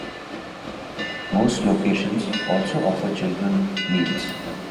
Most locations also offer children meals.